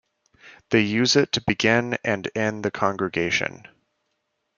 They use it to begin and end the congregation.